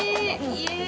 イエーイ。